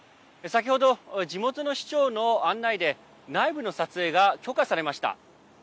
先ほど、地元の市長の案内で内部の撮影が許可されました。